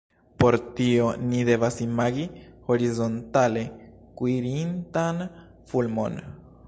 Por tio ni devas imagi horizontale kurintan fulmon.